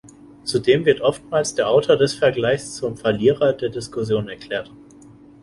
Zudem wird oftmals der Autor des Vergleiches zum „Verlierer“ der Diskussion erklärt.